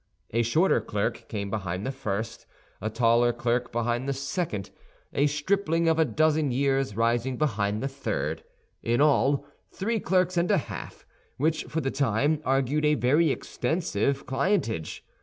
A shorter clerk came behind the first, a taller clerk behind the second, a stripling of a dozen years rising behind the third. In all, three clerks and a half, which, for the time, argued a very extensive clientage.